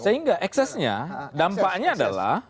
sehingga eksesnya dampaknya adalah